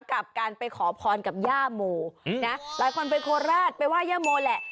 กับการไปขอพรกับย่าโมนะหลายคนไปโคราชไปไห้ย่าโมแหละ